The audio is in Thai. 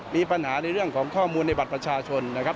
มีปัญหาในเรื่องของข้อมูลในบัตรประชาชนนะครับ